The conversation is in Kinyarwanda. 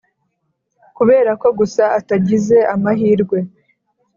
kubera ko gusa atagize amahirwe